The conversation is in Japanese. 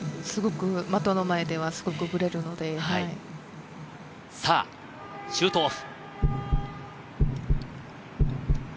的の前ではすごくブレるのでシュートオフ。